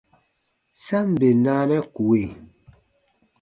Sa ǹ bè naanɛ kue.